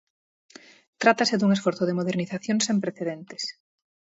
Trátase dun esforzo de modernización sen precedentes.